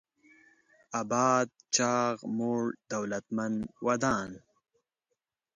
اباد: چاغ، موړ، دولتمن، ودان